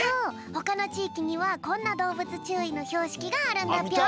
ほかのちいきにはこんなどうぶつちゅういのひょうしきがあるんだぴょん。